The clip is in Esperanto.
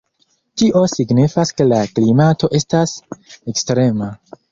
Tio signifas ke la klimato estas ekstrema.